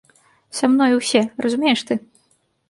Са мною ўсе, разумееш ты?